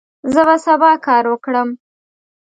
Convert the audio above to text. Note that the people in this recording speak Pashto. زه به سبا کار وکړم.